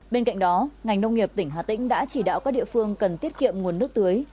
bên cạnh đó ngành nông nghiệp tỉnh hà tĩnh đã chỉ đạo các địa phương cần tiết kiệm nguồn nước tưới